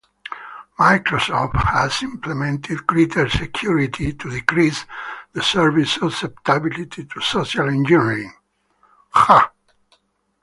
Microsoft has implemented greater security to decrease the service's susceptibility to social engineering.